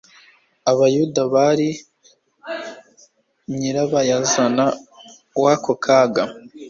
Abayuda bari nyirabayazana w'ako kaga.